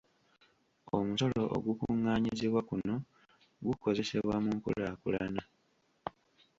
Omusolo ogukungaanyizibwa kuno gukozesebwa mu nkulaakulana.